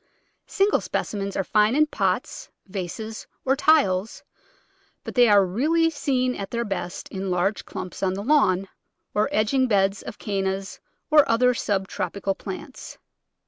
Single specimens are fine in pots, vases, or tiles, but they are really seen at their best in large clumps on the lawn, or edging beds of Cannas or other sub tropical plants.